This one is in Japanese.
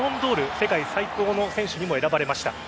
世界最高の選手にも選ばれました。